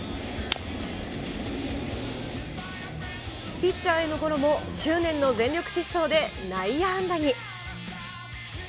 ピッチャーへのゴロも、執念の全力疾走で内野安打に。